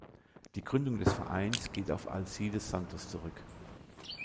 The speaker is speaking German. Die Gründung des Vereins geht auf Alcides Santos zurück.